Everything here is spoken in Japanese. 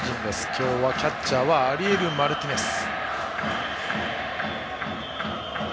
今日はキャッチャーはアリエル・マルティネス。